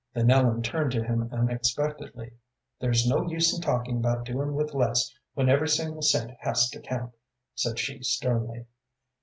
Then Ellen turned to him unexpectedly. "There's no use in talking about doing with less when every single cent has to count," said she, sternly.